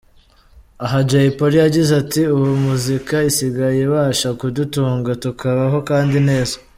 Aha Jay Polly yagize ati``Ubu muzika isigaye ibasha kudutunga tukabaho kandi neza.